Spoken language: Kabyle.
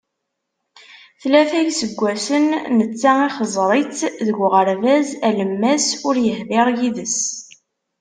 Tlata iseggasen netta ixeẓẓer-itt deg uɣerbaz alemmas, ur yehdir yid-s!